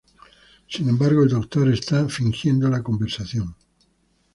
Sin embargo, el Doctor está fingiendo la conversión.